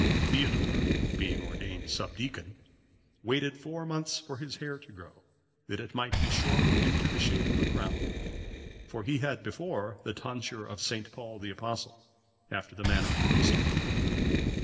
(525) Theodore, being ordained subdeacon, waited four months for his hair to grow, that it might be shorn into the shape of a crown; for he had before the tonsure of St. Paul,(526) the Apostle, after the manner of the eastern people.